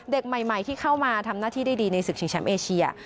เด็กใหม่ที่เข้ามาทำหน้าที่ได้ดีในศึกชิงแชมป์เอเชีย